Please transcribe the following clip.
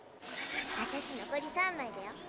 私残り３枚だよ。